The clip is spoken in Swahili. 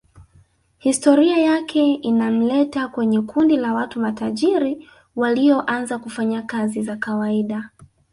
Historia yake inamleta kwenye kundi la watu matajiri walioanza kufanya kazi za kawaida